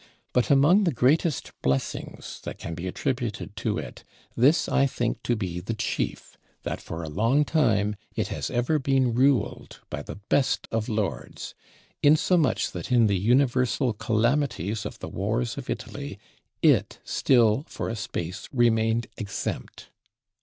But among the greatest blessings that can be attributed to it, this I think to be the chief, that for a long time it has ever been ruled by the best of lords; insomuch that in the universal calamities of the wars of Italy, it still for a space remained exempt.